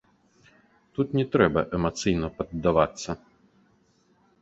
Тут не трэба эмацыйна паддавацца.